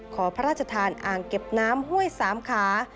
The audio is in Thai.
ขอพระราชทานอ่างเก็บน้ำห้วยสามขา